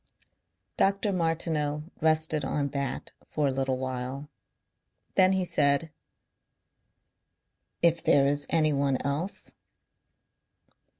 Dr. Martineau rested on that for a little while. Then he said: "If there is anyone else?"